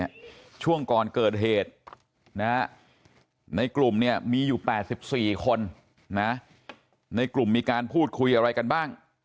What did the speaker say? ช่วงก่อนเกิดเหตุนะฮะในกลุ่มเนี่ยมีอยู่๘๔คนนะในกลุ่มมีการพูดคุยอะไรกันบ้าง